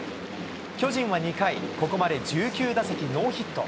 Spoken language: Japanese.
巨人は２回、ここまで１９打席ノーヒット。